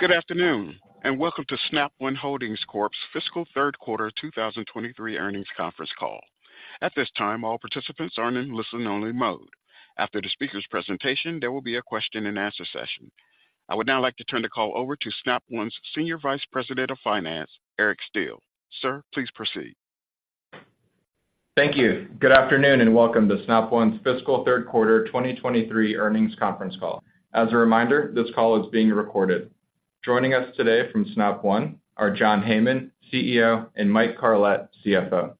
Good afternoon, and welcome to Snap One Holdings Corp's Fiscal Third Quarter 2023 earnings conference call. At this time, all participants are in listen-only mode. After the speaker's presentation, there will be a question-and-answer session. I would now like to turn the call over to Snap One's Senior Vice President of Finance, Eric Steele. Sir, please proceed. Thank you. Good afternoon, and welcome to Snap One's Fiscal Third Quarter 2023 earnings conference call. As a reminder, this call is being recorded. Joining us today from Snap One are John Heyman, CEO, and Mike Carlet, CFO.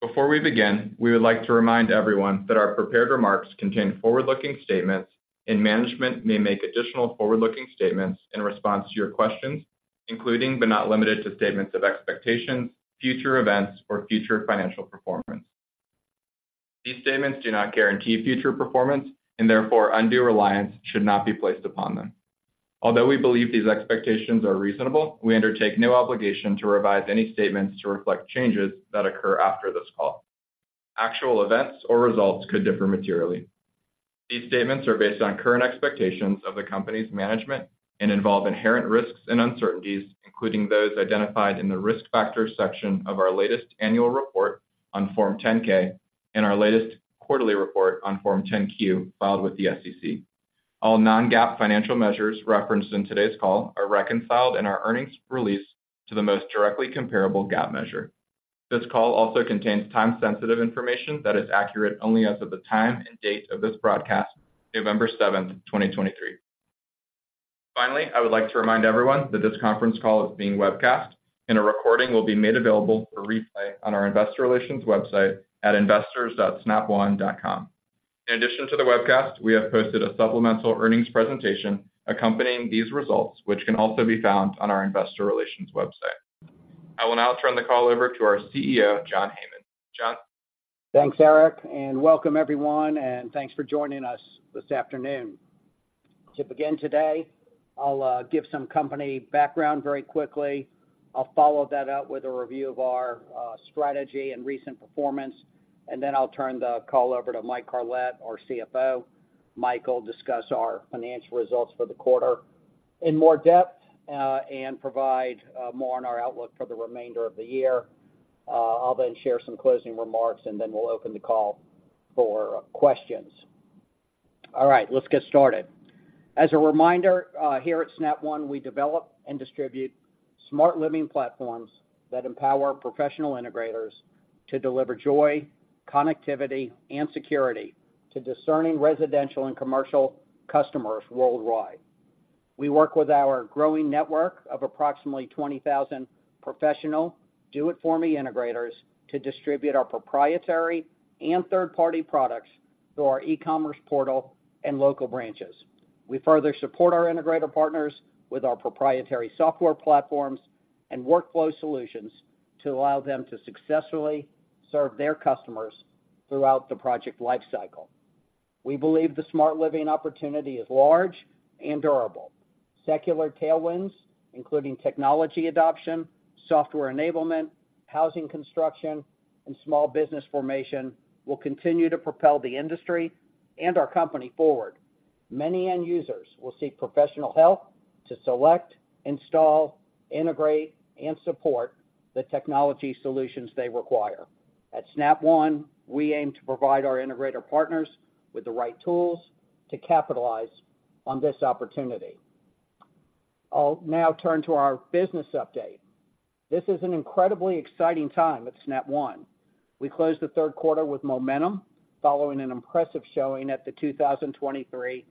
Before we begin, we would like to remind everyone that our prepared remarks contain forward-looking statements, and management may make additional forward-looking statements in response to your questions, including, but not limited to, statements of expectations, future events, or future financial performance. These statements do not guarantee future performance, and therefore, undue reliance should not be placed upon them. Although we believe these expectations are reasonable, we undertake no obligation to revise any statements to reflect changes that occur after this call. Actual events or results could differ materially. These statements are based on current expectations of the company's management and involve inherent risks and uncertainties, including those identified in the Risk Factors section of our latest annual report on Form 10-K and our latest quarterly report on Form 10-Q filed with the SEC. All non-GAAP financial measures referenced in today's call are reconciled in our earnings release to the most directly comparable GAAP measure. This call also contains time-sensitive information that is accurate only as of the time and date of this broadcast, November 7, 2023. Finally, I would like to remind everyone that this conference call is being webcast, and a recording will be made available for replay on our investor relations website at investors.snapone.com. In addition to the webcast, we have posted a supplemental earnings presentation accompanying these results, which can also be found on our investor relations website. I will now turn the call over to our CEO, John Heyman. John? Thanks, Eric, and welcome everyone, and thanks for joining us this afternoon. To begin today, I'll give some company background very quickly. I'll follow that up with a review of our strategy and recent performance, and then I'll turn the call over to Mike Carlet, our CFO. Mike will discuss our financial results for the quarter in more depth, and provide more on our outlook for the remainder of the year. I'll then share some closing remarks, and then we'll open the call for questions. All right, let's get started. As a reminder, here at Snap One, we develop and distribute smart living platforms that empower professional integrators to deliver joy, connectivity, and security to discerning residential and commercial customers worldwide. We work with our growing network of approximately 20,000 professional do-it-for-me integrators to distribute our proprietary and third-party products through our e-commerce portal and local branches. We further support our integrator partners with our proprietary software platforms and workflow solutions to allow them to successfully serve their customers throughout the project lifecycle. We believe the smart living opportunity is large and durable. Secular tailwinds, including technology adoption, software enablement, housing construction, and small business formation, will continue to propel the industry and our company forward. Many end users will seek professional help to select, install, integrate, and support the technology solutions they require. At Snap One, we aim to provide our integrator partners with the right tools to capitalize on this opportunity. I'll now turn to our business update. This is an incredibly exciting time at Snap One. We closed the third quarter with momentum, following an impressive showing at the 2023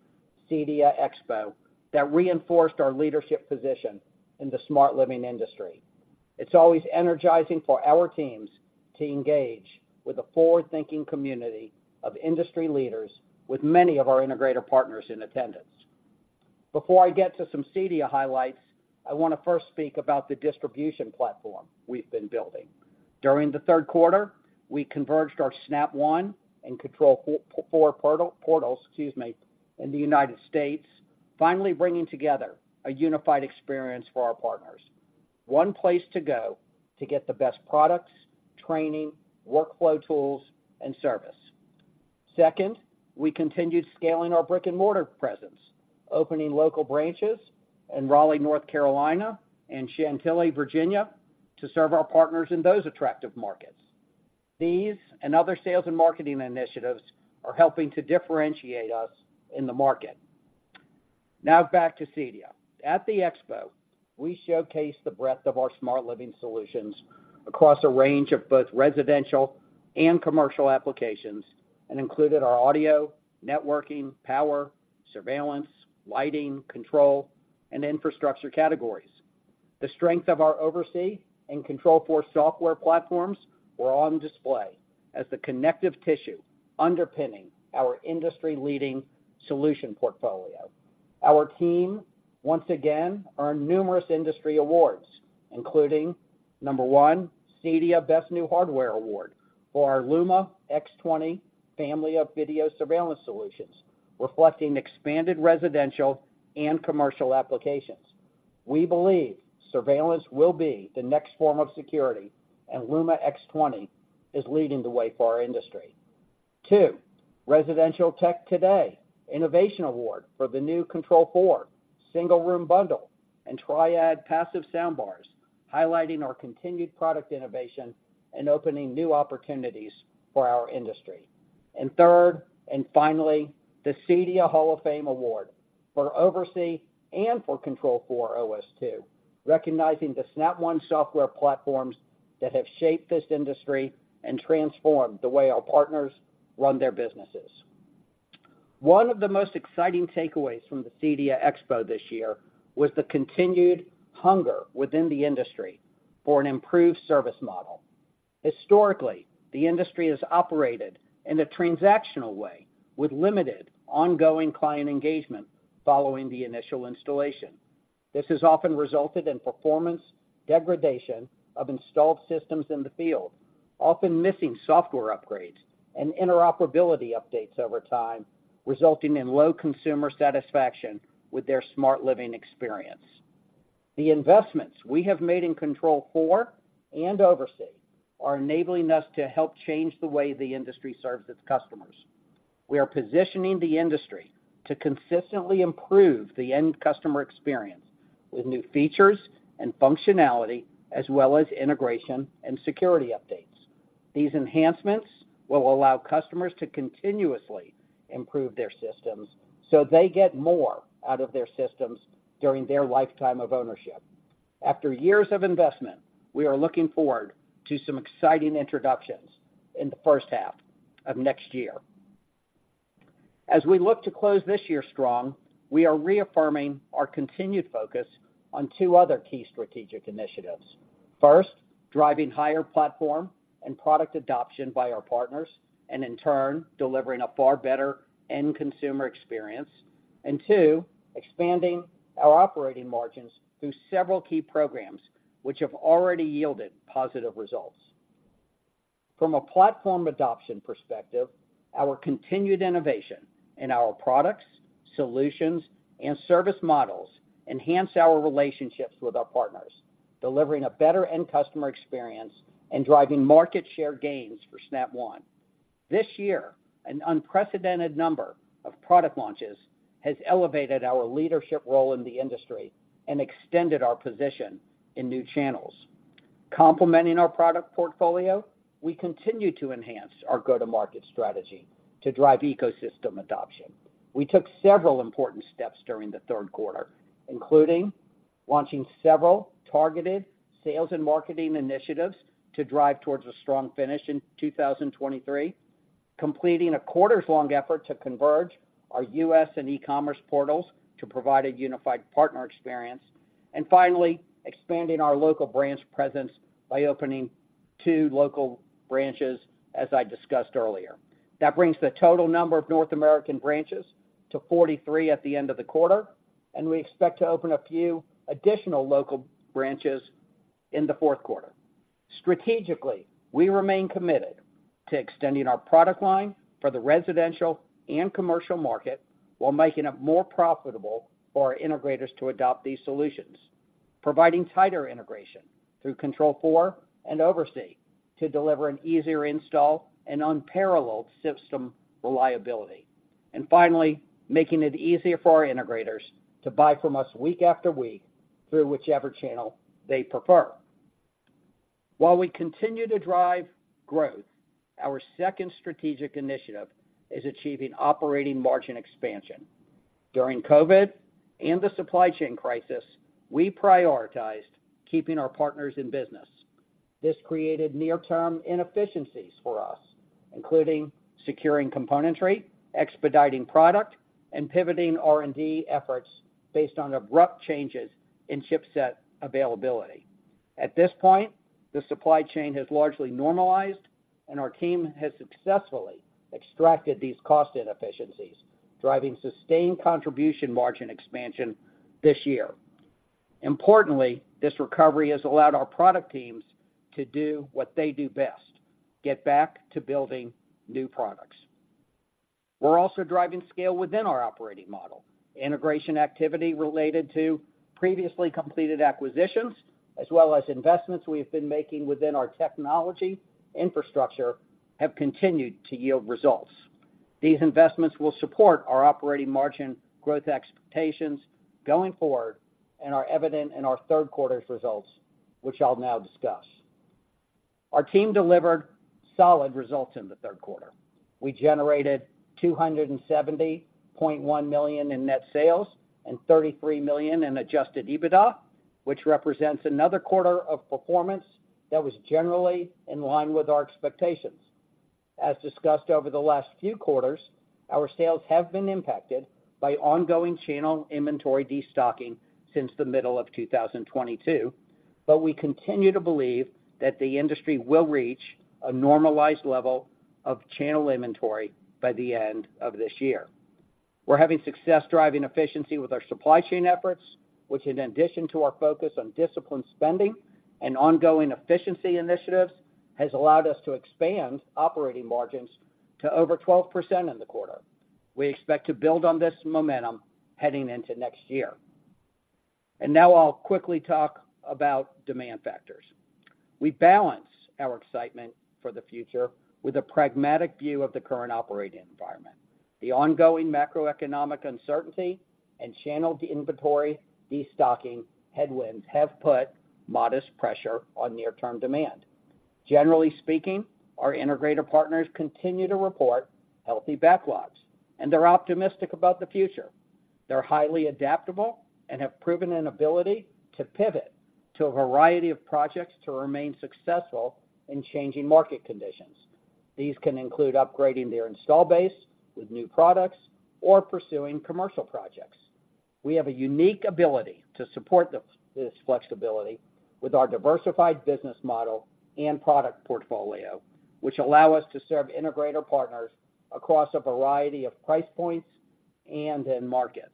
CEDIA Expo that reinforced our leadership position in the smart living industry. It's always energizing for our teams to engage with a forward-thinking community of industry leaders, with many of our integrator partners in attendance. Before I get to some CEDIA highlights, I want to first speak about the distribution platform we've been building. During the third quarter, we converged our Snap One and Control4 portal, portals, excuse me, in the United States, finally bringing together a unified experience for our partners. One place to go to get the best products, training, workflow tools, and service. Second, we continued scaling our brick-and-mortar presence, opening local branches in Raleigh, North Carolina, and Chantilly, Virginia, to serve our partners in those attractive markets. These and other sales and marketing initiatives are helping to differentiate us in the market. Now, back to CEDIA. At the expo, we showcased the breadth of our smart living solutions across a range of both residential and commercial applications and included our audio, networking, power, surveillance, lighting, control, and infrastructure categories. The strength of our OvrC and Control4 software platforms were on display as the connective tissue underpinning our industry-leading solution portfolio. Our team, once again, earned numerous industry awards, including, number one, CEDIA Best New Hardware Award for our Luma x20 family of video surveillance solutions, reflecting expanded residential and commercial applications. We believe surveillance will be the next form of security, and Luma x20 is leading the way for our industry. Two, Residential Tech Today Innovation Award for the new Control4 single-room bundle and Triad passive soundbars, highlighting our continued product innovation and opening new opportunities for our industry. And third, and finally, the CEDIA Hall of Fame Award for OvrC and for Control4 OS 2, recognizing the Snap One software platforms that have shaped this industry and transformed the way our partners run their businesses. One of the most exciting takeaways from the CEDIA Expo this year was the continued hunger within the industry for an improved service model. Historically, the industry has operated in a transactional way, with limited ongoing client engagement following the initial installation. This has often resulted in performance degradation of installed systems in the field, often missing software upgrades and interoperability updates over time, resulting in low consumer satisfaction with their smart living experience. The investments we have made in Control4 and OvrC are enabling us to help change the way the industry serves its customers. We are positioning the industry to consistently improve the end customer experience with new features and functionality, as well as integration and security updates. These enhancements will allow customers to continuously improve their systems so they get more out of their systems during their lifetime of ownership. After years of investment, we are looking forward to some exciting introductions in the first half of next year. As we look to close this year strong, we are reaffirming our continued focus on two other key strategic initiatives. First, driving higher platform and product adoption by our partners, and in turn, delivering a far better end consumer experience. And two, expanding our operating margins through several key programs, which have already yielded positive results. From a platform adoption perspective, our continued innovation in our products, solutions, and service models enhance our relationships with our partners, delivering a better end customer experience and driving market share gains for Snap One. This year, an unprecedented number of product launches has elevated our leadership role in the industry and extended our position in new channels. Complementing our product portfolio, we continue to enhance our go-to-market strategy to drive ecosystem adoption. We took several important steps during the third quarter, including launching several targeted sales and marketing initiatives to drive towards a strong finish in 2023, completing a quarter-long effort to converge our U.S. and e-commerce portals to provide a unified partner experience, and finally, expanding our local branch presence by opening two local branches, as I discussed earlier. That brings the total number of North American branches to 43 at the end of the quarter, and we expect to open a few additional local branches in the fourth quarter. Strategically, we remain committed to extending our product line for the residential and commercial market while making it more profitable for our integrators to adopt these solutions. Providing tighter integration through Control4 and OvrC to deliver an easier install and unparalleled system reliability. And finally, making it easier for our integrators to buy from us week after week through whichever channel they prefer. While we continue to drive growth, our second strategic initiative is achieving operating margin expansion. During COVID and the supply chain crisis, we prioritized keeping our partners in business. This created near-term inefficiencies for us, including securing componentry, expediting product, and pivoting R&D efforts based on abrupt changes in chipset availability. At this point, the supply chain has largely normalized, and our team has successfully extracted these cost inefficiencies, driving sustained contribution margin expansion this year. Importantly, this recovery has allowed our product teams to do what they do best: get back to building new products. We're also driving scale within our operating model. Integration activity related to previously completed acquisitions, as well as investments we've been making within our technology infrastructure, have continued to yield results. These investments will support our operating margin growth expectations going forward and are evident in our third quarter's results, which I'll now discuss. Our team delivered solid results in the third quarter. We generated $270.1 million in net sales and $33 million in Adjusted EBITDA, which represents another quarter of performance that was generally in line with our expectations. As discussed over the last few quarters, our sales have been impacted by ongoing channel inventory destocking since the middle of 2022, but we continue to believe that the industry will reach a normalized level of channel inventory by the end of this year. We're having success driving efficiency with our supply chain efforts, which, in addition to our focus on disciplined spending and ongoing efficiency initiatives, has allowed us to expand operating margins to over 12% in the quarter. We expect to build on this momentum heading into next year... Now I'll quickly talk about demand factors. We balance our excitement for the future with a pragmatic view of the current operating environment. The ongoing macroeconomic uncertainty and channel inventory destocking headwinds have put modest pressure on near-term demand. Generally speaking, our integrator partners continue to report healthy backlogs, and they're optimistic about the future. They're highly adaptable and have proven an ability to pivot to a variety of projects to remain successful in changing market conditions. These can include upgrading their install base with new products or pursuing commercial projects. We have a unique ability to support this flexibility with our diversified business model and product portfolio, which allow us to serve integrator partners across a variety of price points and in markets.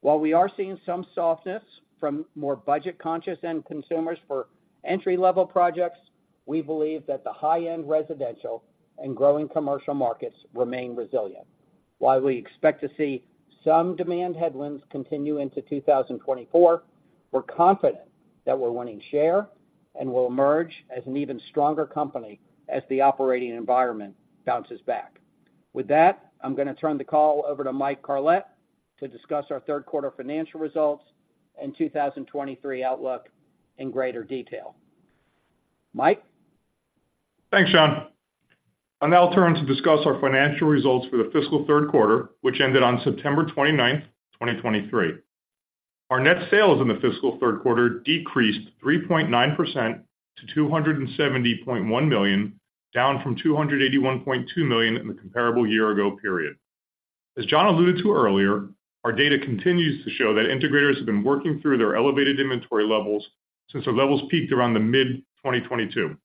While we are seeing some softness from more budget-conscious end consumers for entry-level projects, we believe that the high-end residential and growing commercial markets remain resilient. While we expect to see some demand headwinds continue into 2024, we're confident that we're winning share and will emerge as an even stronger company as the operating environment bounces back. With that, I'm gonna turn the call over to Mike Carlet to discuss our third quarter financial results and 2023 outlook in greater detail. Mike? Thanks, John. I'll now turn to discuss our financial results for the fiscal third quarter, which ended on September 29, 2023. Our net sales in the fiscal third quarter decreased 3.9% to $270.1 million, down from $281.2 million in the comparable year ago period. As John alluded to earlier, our data continues to show that integrators have been working through their elevated inventory levels since the levels peaked around the mid-2022.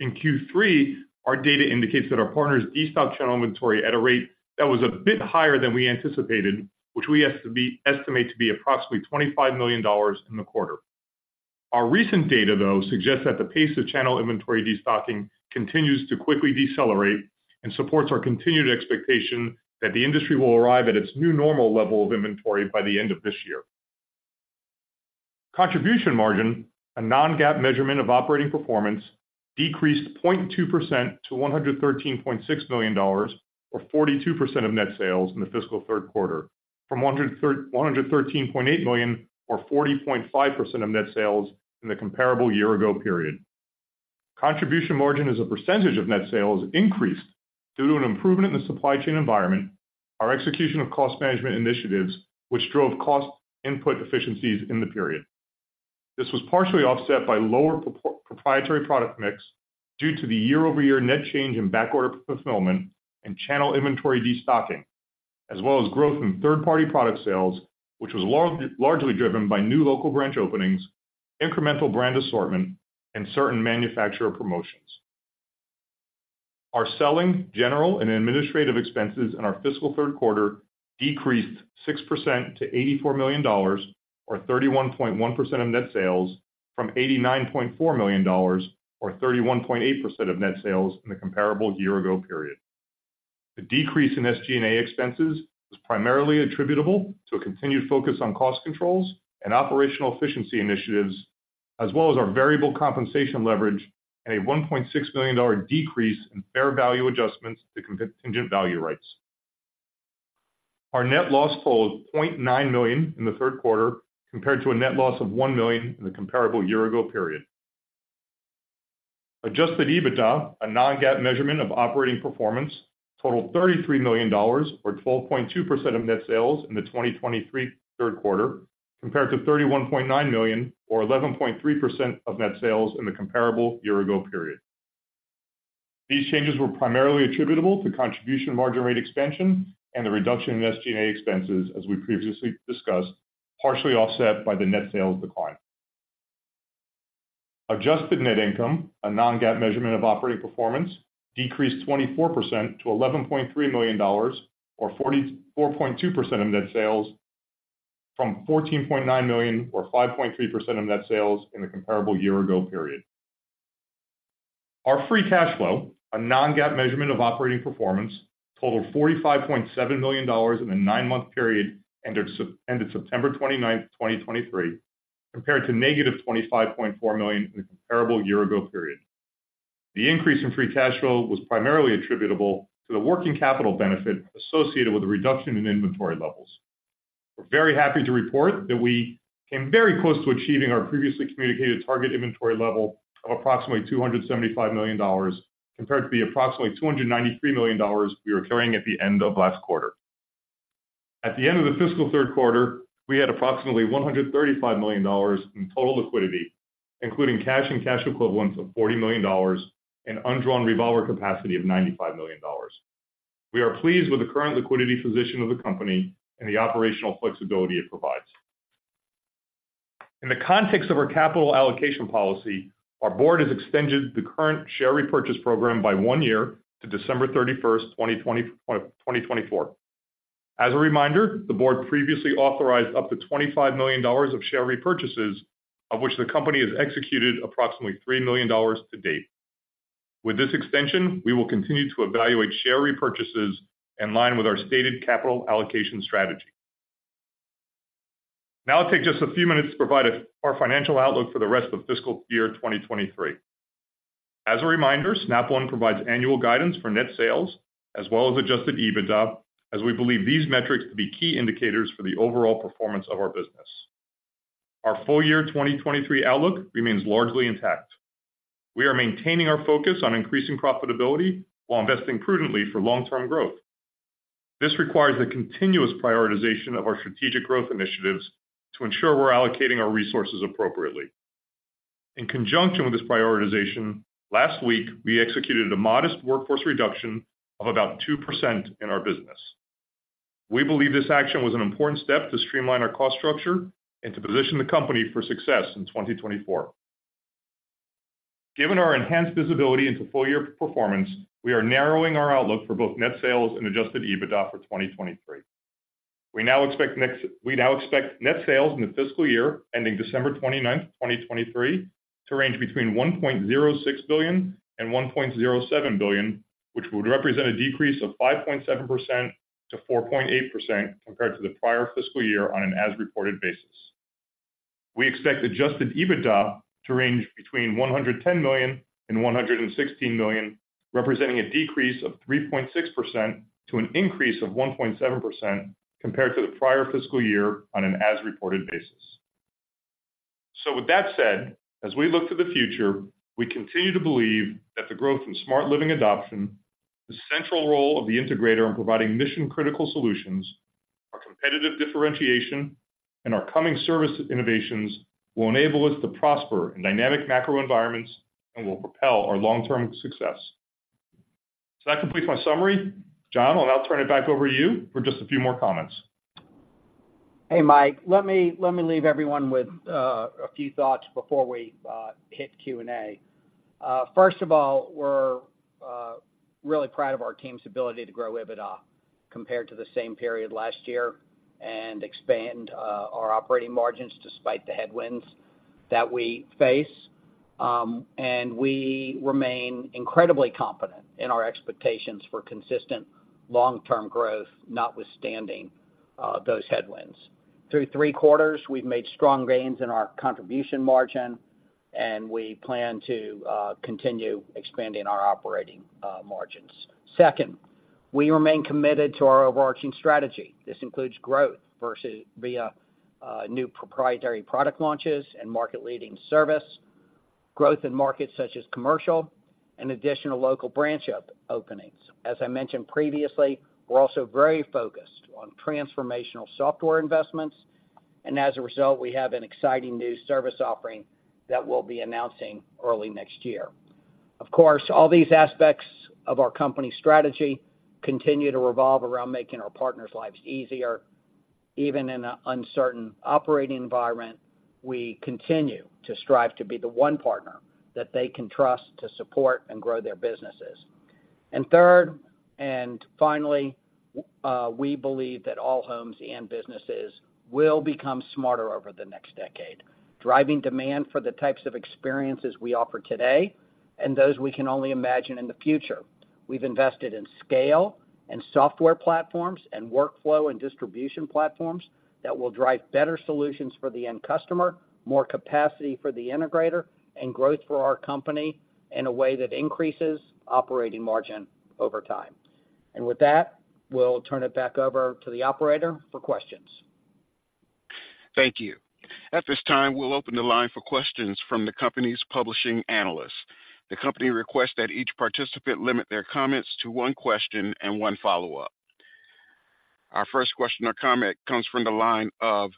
In Q3, our data indicates that our partners destocked channel inventory at a rate that was a bit higher than we anticipated, which we estimate to be approximately $25 million in the quarter. Our recent data, though, suggests that the pace of channel inventory destocking continues to quickly decelerate and supports our continued expectation that the industry will arrive at its new normal level of inventory by the end of this year. Contribution margin, a non-GAAP measurement of operating performance, decreased 0.2% to $113.6 million, or 42% of net sales in the fiscal third quarter, from $113.8 million, or 40.5% of net sales in the comparable year-ago period. Contribution margin as a percentage of net sales increased due to an improvement in the supply chain environment, our execution of cost management initiatives, which drove cost input efficiencies in the period. This was partially offset by lower proprietary product mix due to the year-over-year net change in backorder fulfillment and channel inventory destocking, as well as growth in third-party product sales, which was largely driven by new local branch openings, incremental brand assortment, and certain manufacturer promotions. Our selling, general, and administrative expenses in our fiscal third quarter decreased 6% to $84 million, or 31.1% of net sales, from $89.4 million, or 31.8% of net sales, in the comparable year ago period. The decrease in SG&A expenses was primarily attributable to a continued focus on cost controls and operational efficiency initiatives, as well as our variable compensation leverage and a $1.6 million decrease in fair value adjustments to contingent value rights. Our net loss totaled $0.9 million in the third quarter, compared to a net loss of $1 million in the comparable year ago period. Adjusted EBITDA, a non-GAAP measurement of operating performance, totaled $33 million, or 12.2% of net sales in the 2023 third quarter, compared to $31.9 million or 11.3% of net sales in the comparable year ago period. These changes were primarily attributable to contribution margin rate expansion and the reduction in SG&A expenses, as we previously discussed, partially offset by the net sales decline. Adjusted net income, a non-GAAP measurement of operating performance, decreased 24% to $11.3 million, or 44.2% of net sales, from $14.9 million, or 5.3% of net sales, in the comparable year ago period. Our free cash flow, a non-GAAP measurement of operating performance, totaled $45.7 million in the nine-month period ended September 29th, 2023, compared to negative $25.4 million in the comparable year ago period. The increase in free cash flow was primarily attributable to the working capital benefit associated with the reduction in inventory levels. We're very happy to report that we came very close to achieving our previously communicated target inventory level of approximately $275 million, compared to the approximately $293 million we were carrying at the end of last quarter. At the end of the fiscal third quarter, we had approximately $135 million in total liquidity, including cash and cash equivalents of $40 million and undrawn revolver capacity of $95 million. We are pleased with the current liquidity position of the company and the operational flexibility it provides. In the context of our capital allocation policy, our board has extended the current share repurchase program by one year to December 31, 2024. As a reminder, the board previously authorized up to $25 million of share repurchases, of which the company has executed approximately $3 million to date.... With this extension, we will continue to evaluate share repurchases in line with our stated capital allocation strategy. Now I'll take just a few minutes to provide our financial outlook for the rest of fiscal year 2023. As a reminder, Snap One provides annual guidance for net sales as well as Adjusted EBITDA, as we believe these metrics to be key indicators for the overall performance of our business. Our full year 2023 outlook remains largely intact. We are maintaining our focus on increasing profitability while investing prudently for long-term growth. This requires a continuous prioritization of our strategic growth initiatives to ensure we're allocating our resources appropriately. In conjunction with this prioritization, last week, we executed a modest workforce reduction of about 2% in our business. We believe this action was an important step to streamline our cost structure and to position the company for success in 2024. Given our enhanced visibility into full year performance, we are narrowing our outlook for both net sales and Adjusted EBITDA for 2023. We now expect net sales in the fiscal year ending December 29, 2023, to range between $1.06 billion and $1.07 billion, which would represent a decrease of 5.7% to 4.8% compared to the prior fiscal year on an as-reported basis. We expect Adjusted EBITDA to range between $110 million and $116 million, representing a decrease of 3.6% to an increase of 1.7% compared to the prior fiscal year on an as-reported basis. So with that said, as we look to the future, we continue to believe that the growth in smart living adoption, the central role of the integrator in providing mission-critical solutions, our competitive differentiation, and our coming service innovations will enable us to prosper in dynamic macro environments and will propel our long-term success. So that completes my summary. John, I'll now turn it back over to you for just a few more comments. Hey, Mike, let me leave everyone with a few thoughts before we hit Q&A. First of all, we're really proud of our team's ability to grow EBITDA compared to the same period last year and expand our operating margins despite the headwinds that we face. And we remain incredibly confident in our expectations for consistent long-term growth, notwithstanding those headwinds. Through three quarters, we've made strong gains in our contribution margin, and we plan to continue expanding our operating margins. Second, we remain committed to our overarching strategy. This includes growth via new proprietary product launches and market-leading service, growth in markets such as commercial, and additional local branch openings. As I mentioned previously, we're also very focused on transformational software investments, and as a result, we have an exciting new service offering that we'll be announcing early next year. Of course, all these aspects of our company strategy continue to revolve around making our partners' lives easier. Even in an uncertain operating environment, we continue to strive to be the one partner that they can trust to support and grow their businesses. And third, and finally, we believe that all homes and businesses will become smarter over the next decade, driving demand for the types of experiences we offer today and those we can only imagine in the future. We've invested in scale, and software platforms, and workflow and distribution platforms that will drive better solutions for the end customer, more capacity for the integrator, and growth for our company in a way that increases operating margin over time. With that, we'll turn it back over to the operator for questions. Thank you. At this time, we'll open the line for questions from the company's publishing analysts. The company requests that each participant limit their comments to one question and one follow-up. Our first question or comment comes from the line of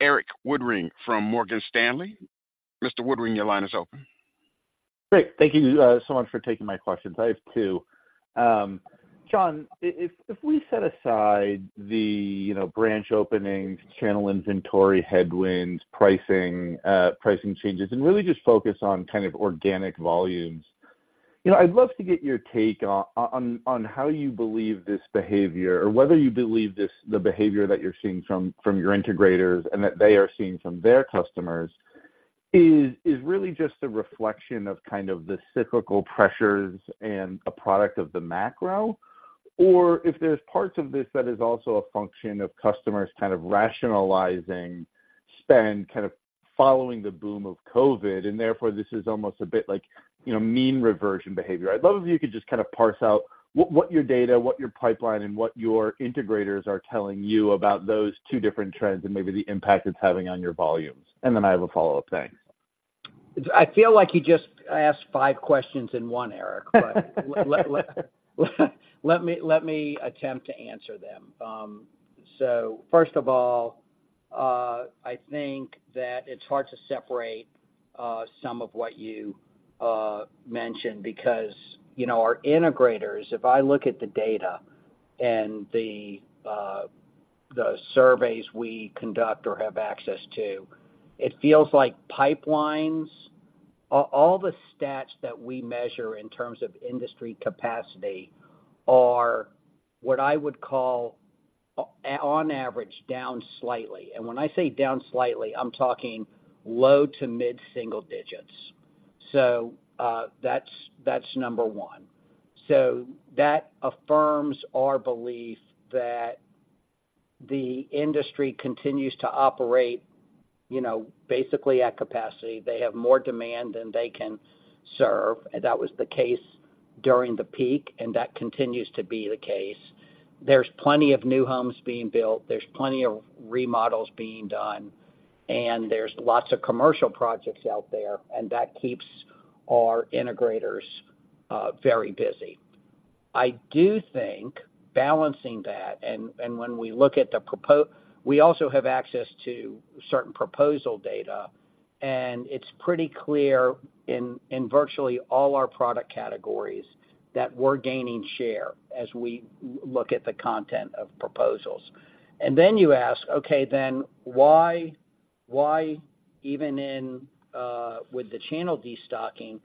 Eric Woodring from Morgan Stanley. Mr. Woodring, your line is open. Great. Thank you so much for taking my questions. I have two. John, if, if we set aside the, you know, branch openings, channel inventory, headwinds, pricing, pricing changes, and really just focus on kind of organic volumes, you know, I'd love to get your take on how you believe this behavior or whether you believe this, the behavior that you're seeing from your integrators and that they are seeing from their customers is really just a reflection of kind of the cyclical pressures and a product of the macro, or if there's parts of this that is also a function of customers kind of rationalizing spend, kind of following the boom of COVID, and therefore, this is almost a bit like, you know, mean reversion behavior? I'd love if you could just kind of parse out what, what your data, what your pipeline, and what your integrators are telling you about those two different trends and maybe the impact it's having on your volumes. And then I have a follow-up. Thanks. I feel like you just asked five questions in one, Eric. But let me attempt to answer them. So first of all, I think that it's hard to separate some of what you mentioned because, you know, our integrators, if I look at the data and the surveys we conduct or have access to, it feels like pipelines. All the stats that we measure in terms of industry capacity are what I would call on average, down slightly. And when I say down slightly, I'm talking low to mid single digits. So that's number one. So that affirms our belief that the industry continues to operate, you know, basically at capacity. They have more demand than they can serve, and that was the case during the peak, and that continues to be the case. There's plenty of new homes being built, there's plenty of remodels being done, and there's lots of commercial projects out there, and that keeps our integrators very busy. I do think balancing that, and when we look at the proposal, we also have access to certain proposal data, and it's pretty clear in virtually all our product categories that we're gaining share as we look at the content of proposals. And then you ask, okay, then why, why, even with the channel destocking,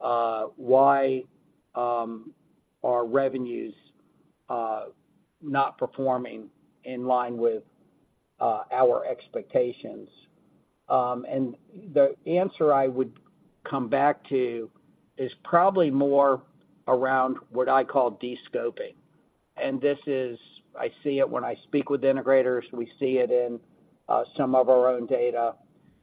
why are revenues not performing in line with our expectations? And the answer I would come back to is probably more around what I call descoping. And this is, I see it when I speak with integrators, we see it in some of our own data.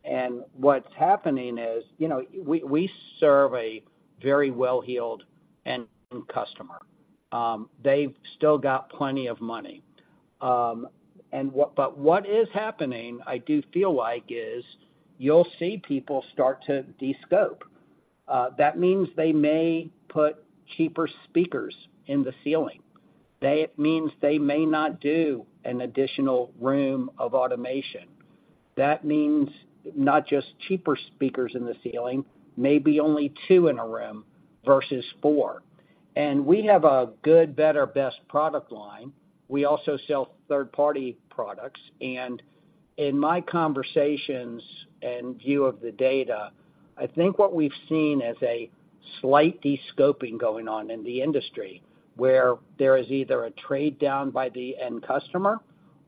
And what's happening is, you know, we serve a very well-heeled end customer. They've still got plenty of money. And what is happening, I do feel like, is you'll see people start to descope. That means they may put cheaper speakers in the ceiling. That means they may not do an additional room of automation. That means not just cheaper speakers in the ceiling, maybe only two in a room versus four. And we have a good, better, best product line. We also sell third-party products. And in my conversations and view of the data, I think what we've seen is a slight descoping going on in the industry, where there is either a trade down by the end customer,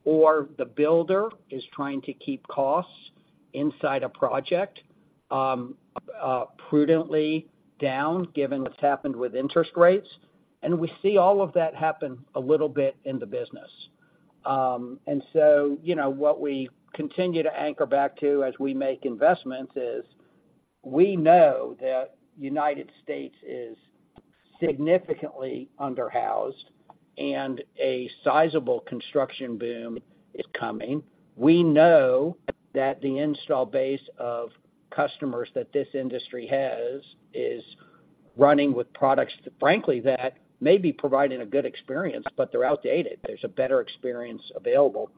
or the builder is trying to keep costs inside a project, prudently down, given what's happened with interest rates. We see all of that happen a little bit in the business. So, you know, what we continue to anchor back to as we make investments is, we know that the United States is significantly underhoused, and a sizable construction boom is coming. We know that the install base of customers that this industry has is running with products, frankly, that may be providing a good experience, but they're outdated. There's a better experience available.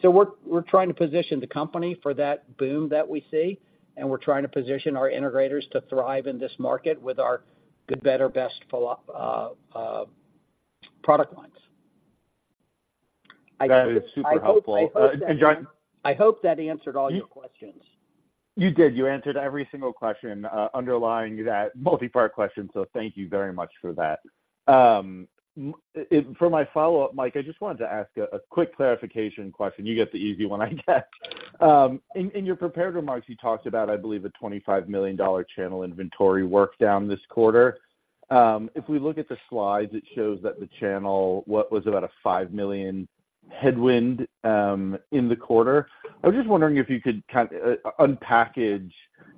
So we're trying to position the company for that boom that we see, and we're trying to position our integrators to thrive in this market with our good, better, best philosophy product lines. That is super helpful. And John- I hope that answered all your questions. You did. You answered every single question underlying that multi-part question, so thank you very much for that. For my follow-up, Mike, I just wanted to ask a quick clarification question. You get the easy one, I guess. In your prepared remarks, you talked about, I believe, a $25 million channel inventory drawdown this quarter. If we look at the slides, it shows that the channel what was about a $5 million headwind in the quarter. I was just wondering if you could kind of unpack, you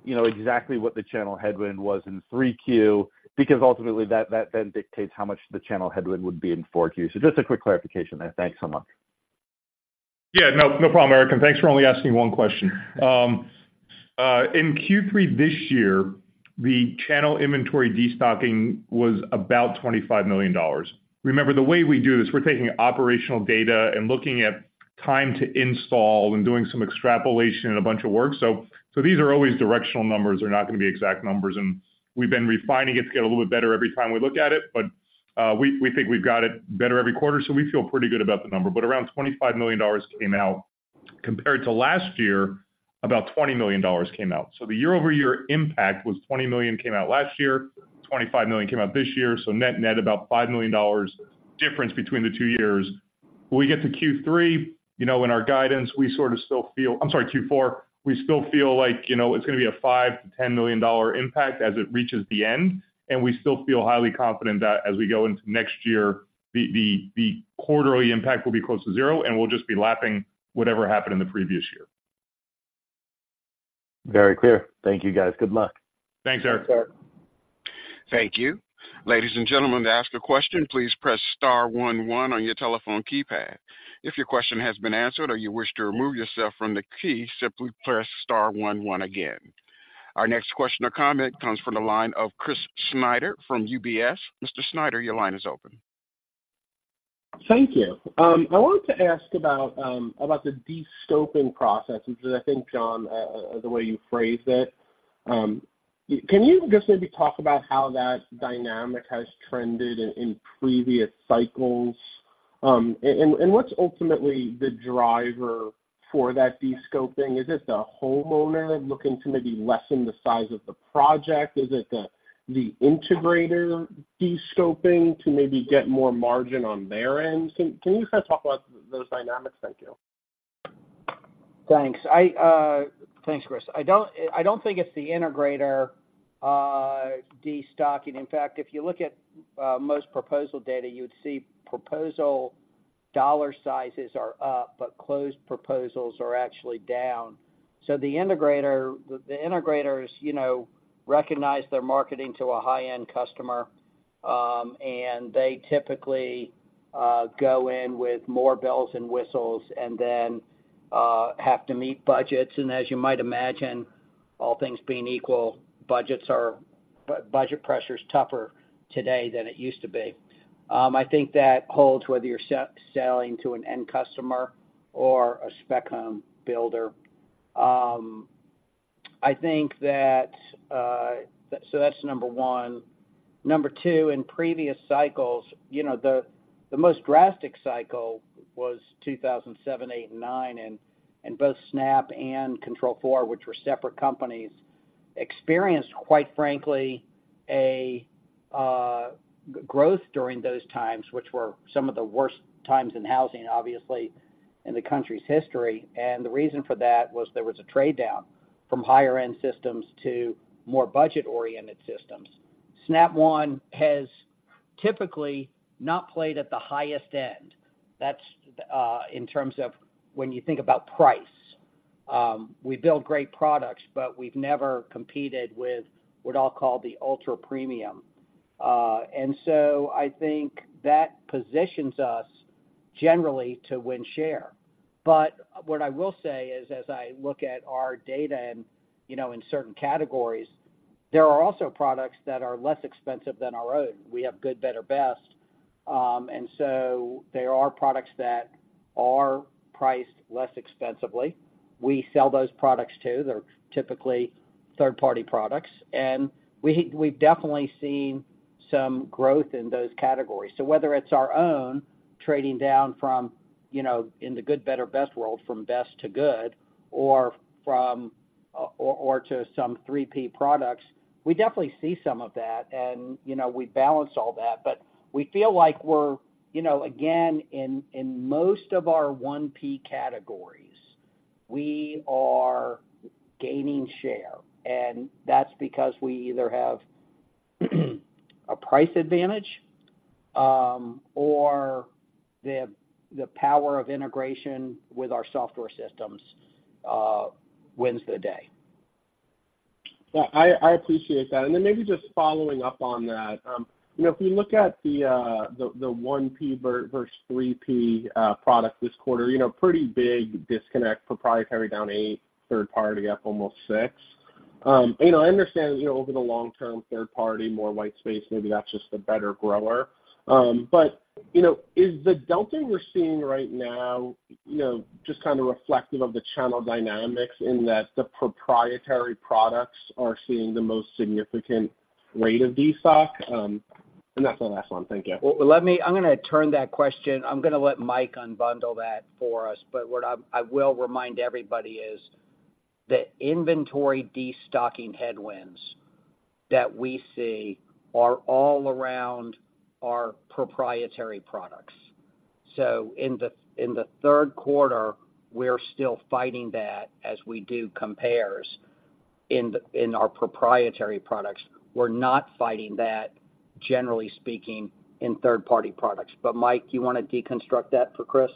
know, exactly what the channel headwind was in Q3, because ultimately, that then dictates how much the channel headwind would be in Q4. So just a quick clarification there. Thanks so much. Yeah, no, no problem, Eric, and thanks for only asking one question. In Q3 this year, the channel inventory destocking was about $25 million. Remember, the way we do this, we're taking operational data and looking at time to install and doing some extrapolation and a bunch of work. So these are always directional numbers, they're not gonna be exact numbers, and we've been refining it to get a little bit better every time we look at it. But we think we've got it better every quarter, so we feel pretty good about the number. But around $25 million came out. Compared to last year, about $20 million came out. So the year-over-year impact was $20 million came out last year, $25 million came out this year, so net-net, about $5 million difference between the two years. When we get to Q3, you know, in our guidance, we sort of still feel... I'm sorry, Q4, we still feel like, you know, it's gonna be a $5 million-$10 million impact as it reaches the end, and we still feel highly confident that as we go into next year, the quarterly impact will be close to zero, and we'll just be lapping whatever happened in the previous year. Very clear. Thank you, guys. Good luck. Thanks, Eric. Thanks, sir. Thank you. Ladies and gentlemen, to ask a question, please press star one one on your telephone keypad. If your question has been answered or you wish to remove yourself from the queue, simply press star one one again. Our next question or comment comes from the line of Chris Schneider from UBS. Mr. Schneider, your line is open. Thank you. I wanted to ask about about the descoping process, which is, I think, John, the way you phrased it. Can you just maybe talk about how that dynamic has trended in previous cycles? And what's ultimately the driver for that de-scoping, is it the homeowner looking to maybe lessen the size of the project? Is it the integrator de-scoping to maybe get more margin on their end? Can you kind of talk about those dynamics? Thank you. Thanks. I, thanks, Chris. I don't, I don't think it's the integrator de-stocking. In fact, if you look at most proposal data, you'd see proposal dollar sizes are up, but closed proposals are actually down. So the integrator, the integrators, you know, recognize they're marketing to a high-end customer, and they typically go in with more bells and whistles and then have to meet budgets. And as you might imagine, all things being equal, budget pressure is tougher today than it used to be. I think that holds whether you're selling to an end customer or a spec home builder. I think that... So that's number one. Number two, in previous cycles, you know, the most drastic cycle was 2007, 2008, and 2009, and both Snap and Control4, which were separate companies, experienced, quite frankly, a growth during those times, which were some of the worst times in housing, obviously, in the country's history. And the reason for that was there was a trade-down from higher-end systems to more budget-oriented systems. Snap One has typically not played at the highest end. That's in terms of when you think about price. We build great products, but we've never competed with what I'll call the ultra-premium. And so I think that positions us generally to win share. But what I will say is, as I look at our data and, you know, in certain categories, there are also products that are less expensive than our own. We have good, better, best. And so there are products that are priced less expensively. We sell those products, too. They're typically third-party products, and we, we've definitely seen some growth in those categories. So whether it's our own, trading down from, you know, in the good, better, best world, from best to good or from, or, or to some 3P products, we definitely see some of that, and, you know, we balance all that. But we feel like we're, you know, again, in, in most of our 1P categories, we are gaining share, and that's because we either have, a price advantage, or the, the power of integration with our software systems, wins the day. Yeah, I appreciate that. And then maybe just following up on that. You know, if we look at the 1P versus 3P product this quarter, you know, pretty big disconnect for proprietary down 8, third party up almost 6. And I understand, you know, over the long term, third party, more white space, maybe that's just the better grower. But, you know, is the dumping we're seeing right now, you know, just kind of reflective of the channel dynamics in that the proprietary products are seeing the most significant rate of destock? And that's my last one. Thank you. Well, let me. I'm gonna turn that question. I'm gonna let Mike unbundle that for us, but what I, I will remind everybody is, the inventory destocking headwinds that we see are all around our proprietary products. So in the, in the third quarter, we're still fighting that as we do compares in the, in our proprietary products. We're not fighting that, generally speaking, in third-party products. But, Mike, you want to deconstruct that for Chris?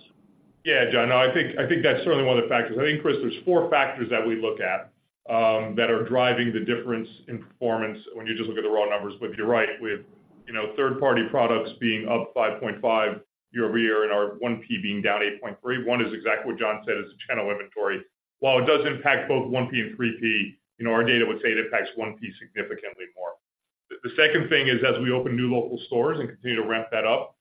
Yeah, John. No, I think, I think that's certainly one of the factors. I think, Chris, there's four factors that we look at that are driving the difference in performance when you just look at the raw numbers. But you're right, we have, you know, third-party products being up 5.5 year-over-year and our 1P being down 8.3. One is exactly what John said, it's a channel inventory. While it does impact both 1P and 3P, you know, our data would say it impacts 1P significantly more. The second thing is, as we open new local stores and continue to ramp that up,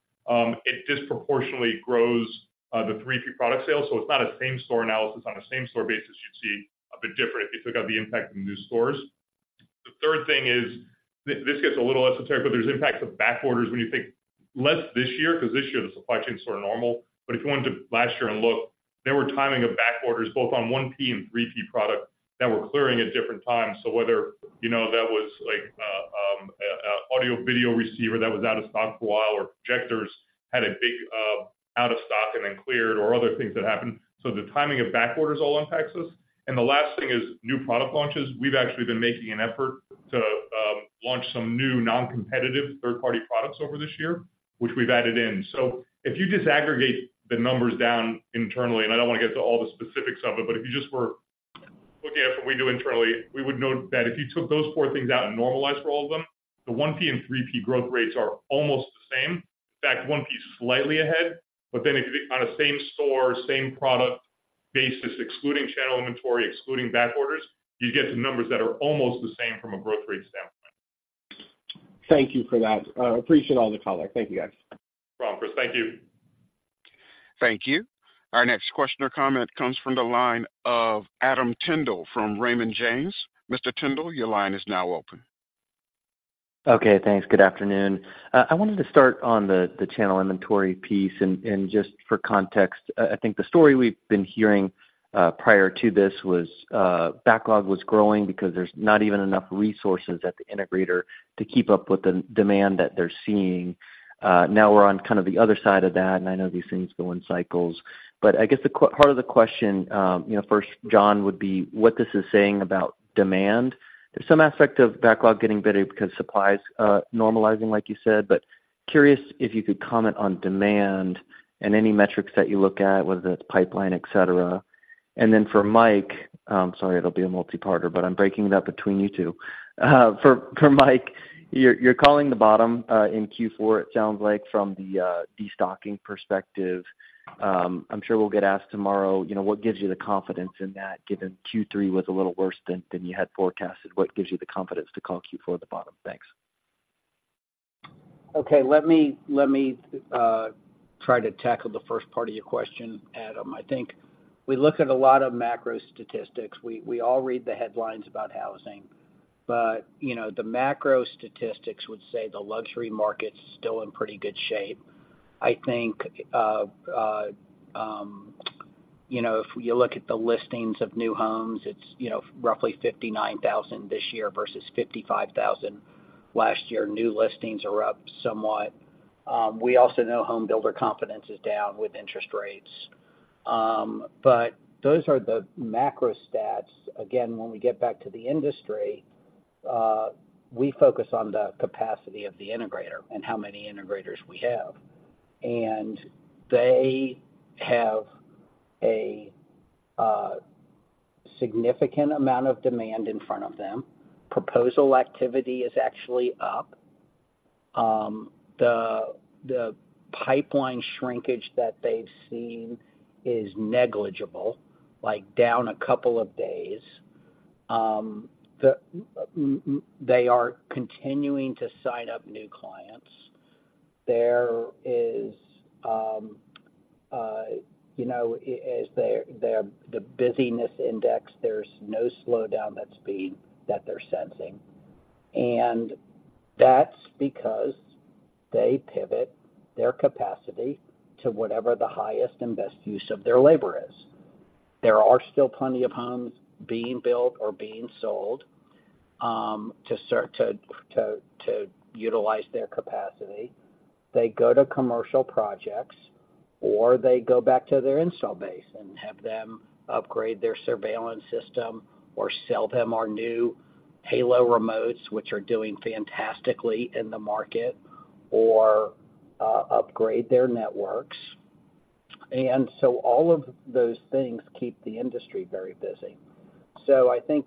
it disproportionately grows the 3P product sales, so it's not a same store analysis. On a same store basis, you'd see a bit different if you took out the impact of the new stores. The third thing is, this gets a little esoteric, but there's impacts of back orders when you think less this year, because this year the supply chains sort of normal. But if you went to last year and looked, there were timing of back orders, both on 1P and 3P products, that were clearing at different times. So whether, you know, that was like, a audio-video receiver that was out of stock for a while, or projectors had a big out of stock and then cleared, or other things that happened, so the timing of back orders all impacts this. And the last thing is new product launches. We've actually been making an effort to launch some new non-competitive third-party products over this year, which we've added in. So if you disaggregate the numbers down internally, and I don't want to get to all the specifics of it, but if you just were looking at what we do internally, we would note that if you took those four things out and normalized for all of them, the one P and three P growth rates are almost the same. In fact, one P is slightly ahead, but then on a same store, same product basis, excluding channel inventory, excluding back orders, you get to numbers that are almost the same from a growth rate standpoint. Thank you for that. Appreciate all the color. Thank you, guys. No problem, Chris. Thank you. Thank you. Our next question or comment comes from the line of Adam Tindle from Raymond James. Mr. Tindall, your line is now open.... Okay, thanks. Good afternoon. I wanted to start on the channel inventory piece, and just for context, I think the story we've been hearing prior to this was backlog was growing because there's not even enough resources at the integrator to keep up with the demand that they're seeing. Now we're on kind of the other side of that, and I know these things go in cycles. But I guess the key part of the question, you know, first, John, would be what this is saying about demand. There's some aspect of backlog getting better because supply is normalizing, like you said, but curious if you could comment on demand and any metrics that you look at, whether that's pipeline, et cetera. And then for Mike, sorry, it'll be a multi-parter, but I'm breaking it up between you two. For Mike, you're calling the bottom in Q4, it sounds like, from the destocking perspective. I'm sure we'll get asked tomorrow, you know, what gives you the confidence in that? Given Q3 was a little worse than you had forecasted, what gives you the confidence to call Q4 the bottom? Thanks. Okay, let me, let me try to tackle the first part of your question, Adam. I think we look at a lot of macro statistics. We, we all read the headlines about housing, but, you know, the macro statistics would say the luxury market's still in pretty good shape. I think, you know, if you look at the listings of new homes, it's, you know, roughly 59,000 this year versus 55,000 last year. New listings are up somewhat. We also know home builder confidence is down with interest rates. But those are the macro stats. Again, when we get back to the industry, we focus on the capacity of the integrator and how many integrators we have, and they have a significant amount of demand in front of them. Proposal activity is actually up. The pipeline shrinkage that they've seen is negligible, like, down a couple of days. They are continuing to sign up new clients. There is, you know, as their busyness index, there's no slowdown that's being that they're sensing, and that's because they pivot their capacity to whatever the highest and best use of their labor is. There are still plenty of homes being built or being sold to utilize their capacity. They go to commercial projects, or they go back to their install base and have them upgrade their surveillance system or sell them our new Halo remotes, which are doing fantastically in the market, or upgrade their networks. And so all of those things keep the industry very busy. So I think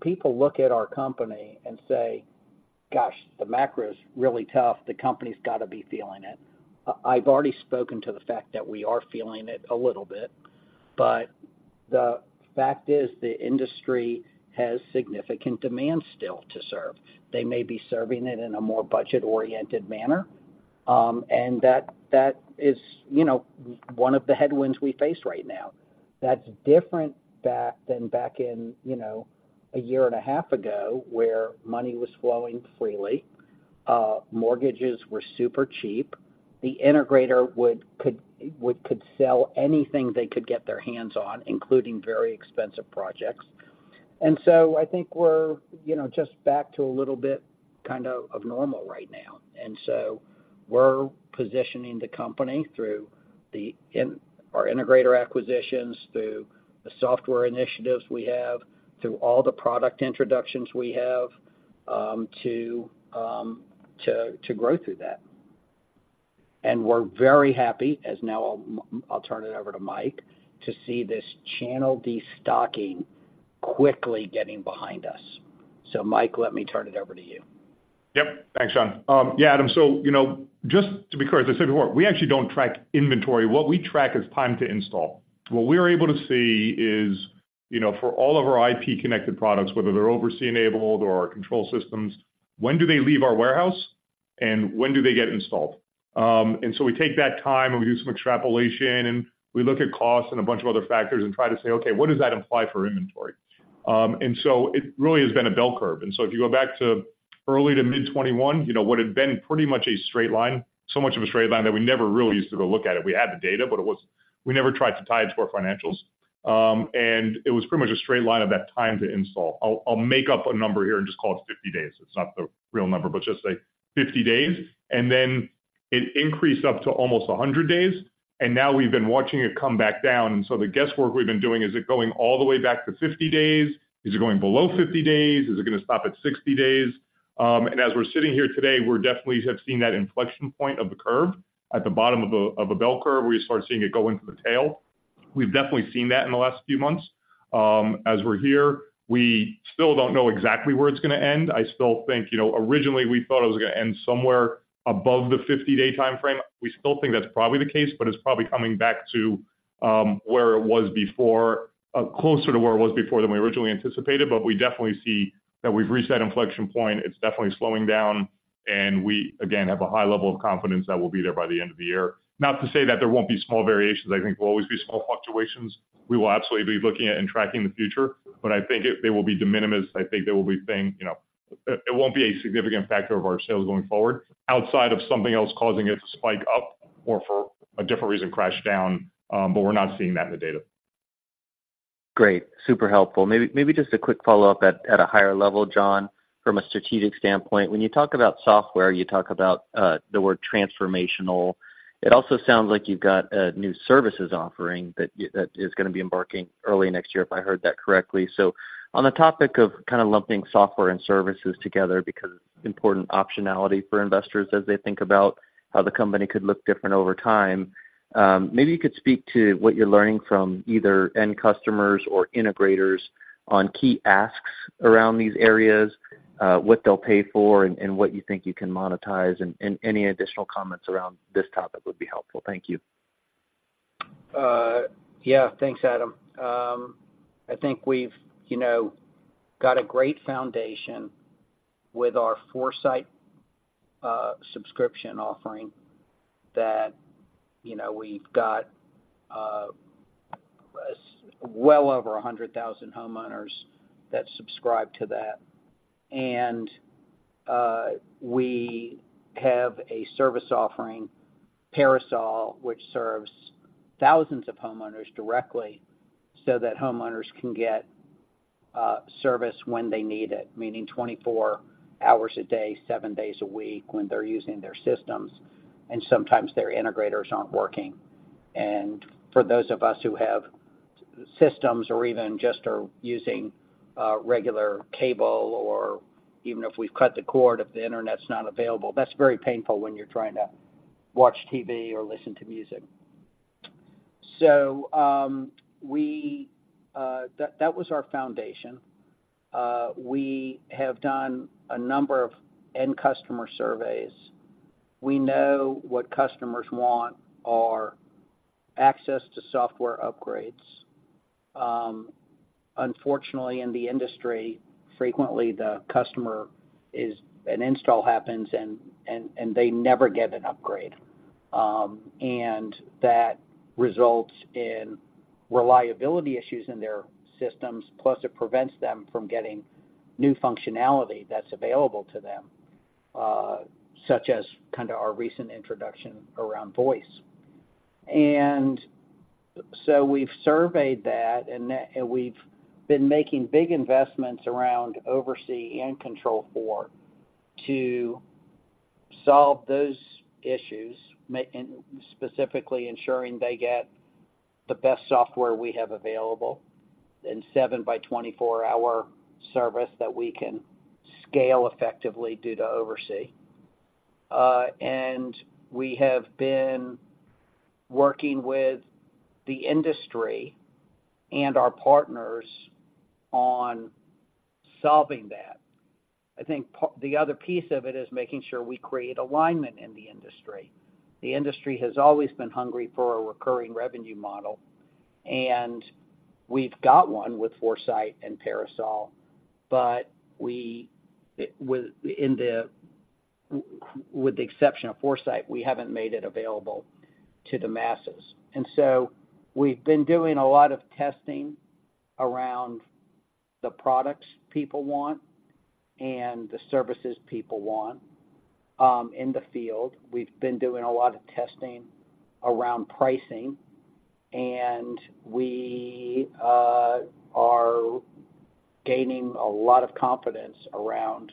people look at our company and say, "Gosh, the macro is really tough. The company's got to be feeling it." I've already spoken to the fact that we are feeling it a little bit, but the fact is the industry has significant demand still to serve. They may be serving it in a more budget-oriented manner, and that, that is, you know, one of the headwinds we face right now. That's different than back in, you know, a year and a half ago, where money was flowing freely, mortgages were super cheap, the integrator would, could, would, could sell anything they could get their hands on, including very expensive projects. And so I think we're, you know, just back to a little bit, kind of, normal right now. And so we're positioning the company through our integrator acquisitions, through the software initiatives we have, through all the product introductions we have, to grow through that. And we're very happy, as now I'll turn it over to Mike, to see this channel destocking quickly getting behind us. So Mike, let me turn it over to you. Yep. Thanks, John. Yeah, Adam, so, you know, just to be clear, as I said before, we actually don't track inventory. What we track is time to install. What we're able to see is, you know, for all of our IP-connected products, whether they're OvrC-enabled or our control systems, when do they leave our warehouse, and when do they get installed? And so we take that time, and we do some extrapolation, and we look at costs and a bunch of other factors and try to say, "Okay, what does that imply for inventory?" And so it really has been a bell curve. And so if you go back to early to mid-2021, you know, what had been pretty much a straight line, so much of a straight line that we never really used to go look at it. We had the data, but it was. We never tried to tie it to our financials. And it was pretty much a straight line of that time to install. I'll make up a number here and just call it 50 days. It's not the real number, but just say 50 days, and then it increased up to almost 100 days, and now we've been watching it come back down. And so the guesswork we've been doing, is it going all the way back to 50 days? Is it going below 50 days? Is it gonna stop at 60 days? And as we're sitting here today, we're definitely have seen that inflection point of the curve at the bottom of a bell curve, where you start seeing it go into the tail. We've definitely seen that in the last few months. As we're here, we still don't know exactly where it's gonna end. I still think, you know, originally, we thought it was gonna end somewhere above the 50-day timeframe. We still think that's probably the case, but it's probably coming back to, where it was before, closer to where it was before than we originally anticipated. But we definitely see that we've reached that inflection point. It's definitely slowing down, and we, again, have a high level of confidence that we'll be there by the end of the year. Not to say that there won't be small variations. I think there will always be small fluctuations. We will absolutely be looking at and tracking the future, but I think it, they will be de minimis. I think they will be thing, you know... It won't be a significant factor of our sales going forward, outside of something else causing it to spike up.... or for a different reason, crash down, but we're not seeing that in the data. Great. Super helpful. Maybe just a quick follow-up at a higher level, John. From a strategic standpoint, when you talk about software, you talk about the word transformational. It also sounds like you've got a new services offering that that is gonna be embarking early next year, if I heard that correctly. So on the topic of kind of lumping software and services together, because important optionality for investors as they think about how the company could look different over time, maybe you could speak to what you're learning from either end customers or integrators on key asks around these areas, what they'll pay for and what you think you can monetize, and any additional comments around this topic would be helpful. Thank you. Yeah, thanks, Adam. I think we've, you know, got a great foundation with our 4Sight subscription offering that, you know, we've got well over 100,000 homeowners that subscribe to that. And we have a service offering, Parasol, which serves thousands of homeowners directly, so that homeowners can get service when they need it, meaning 24 hours a day, 7 days a week, when they're using their systems, and sometimes their integrators aren't working. And for those of us who have systems or even just are using regular cable, or even if we've cut the cord, if the internet's not available, that's very painful when you're trying to watch TV or listen to music. So, that, that was our foundation. We have done a number of end customer surveys. We know what customers want are access to software upgrades. Unfortunately, in the industry, frequently, the customer is an install happens and they never get an upgrade. And that results in reliability issues in their systems, plus it prevents them from getting new functionality that's available to them, such as kind of our recent introduction around voice. And so we've surveyed that, and we've been making big investments around OvrC and Control4 to solve those issues, and specifically ensuring they get the best software we have available, and 7-by-24-hour service that we can scale effectively due to OvrC. And we have been working with the industry and our partners on solving that. I think the other piece of it is making sure we create alignment in the industry. The industry has always been hungry for a recurring revenue model, and we've got one with 4Sight and Parasol, but we, with the exception of Foresight, we haven't made it available to the masses. And so we've been doing a lot of testing around the products people want and the services people want, in the field. We've been doing a lot of testing around pricing, and we are gaining a lot of confidence around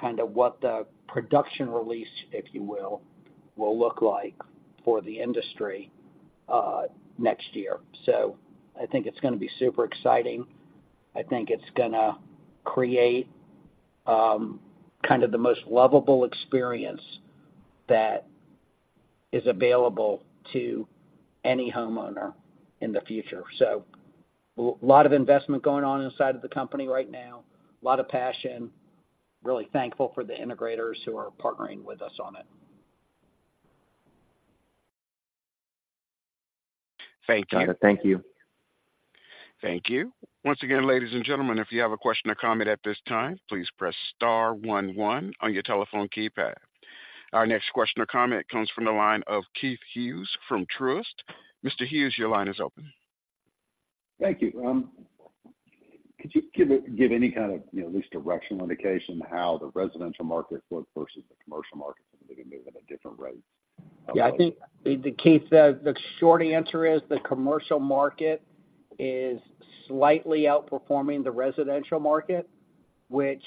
kind of what the production release, if you will, will look like for the industry, next year. So I think it's gonna be super exciting. I think it's gonna create, kind of the most lovable experience that is available to any homeowner in the future. A lot of investment going on inside of the company right now, a lot of passion, really thankful for the integrators who are partnering with us on it. Thank you. Got it. Thank you. Thank you. Once again, ladies and gentlemen, if you have a question or comment at this time, please press star one one on your telephone keypad. Our next question or comment comes from the line of Keith Hughes from Truist. Mr. Hughes, your line is open. Thank you. Could you give, give any kind of, you know, at least directional indication how the residential market look versus the commercial market, if they move at a different rate? Yeah, I think, Keith, the short answer is the commercial market is slightly outperforming the residential market, which,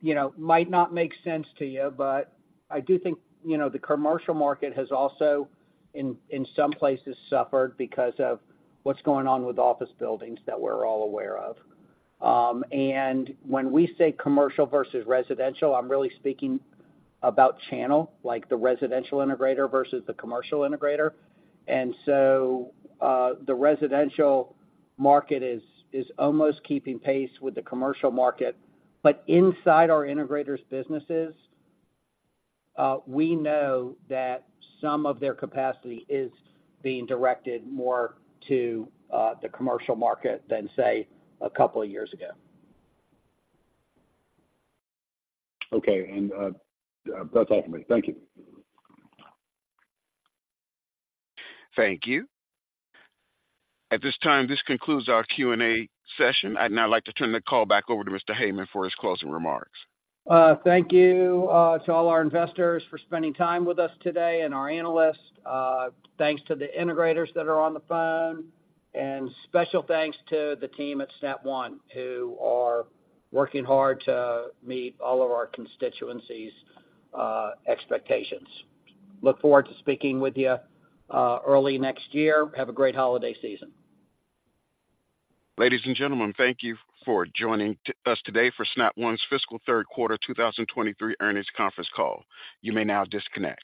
you know, might not make sense to you, but I do think, you know, the commercial market has also, in some places, suffered because of what's going on with office buildings that we're all aware of. And when we say commercial versus residential, I'm really speaking about channel, like the residential integrator versus the commercial integrator. And so, the residential market is almost keeping pace with the commercial market. But inside our integrators' businesses, we know that some of their capacity is being directed more to the commercial market than, say, a couple of years ago. Okay. That's all for me. Thank you. Thank you. At this time, this concludes our Q&A session. I'd now like to turn the call back over to Mr. Heyman for his closing remarks. Thank you to all our investors for spending time with us today, and our analysts. Thanks to the integrators that are on the phone. Special thanks to the team at Snap One, who are working hard to meet all of our constituencies' expectations. Look forward to speaking with you early next year. Have a great holiday season. Ladies and gentlemen, thank you for joining us today for Snap One's fiscal third quarter 2023 earnings conference call. You may now disconnect.